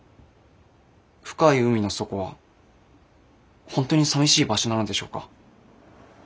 深い海の底は本当に寂しい場所なのでしょうか。